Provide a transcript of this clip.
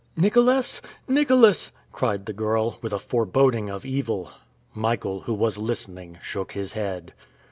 "Nicholas! Nicholas!" cried the girl, with a foreboding of evil. Michael, who was listening, shook his head.